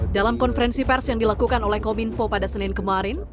dalam konferensi pers yang dilakukan oleh kominfo pada senin kemarin